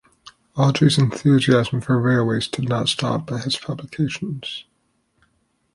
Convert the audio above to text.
Awdry's enthusiasm for railways did not stop at his publications.